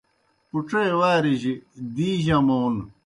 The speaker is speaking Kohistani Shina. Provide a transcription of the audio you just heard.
پُڇے وارِجیْ دی جمون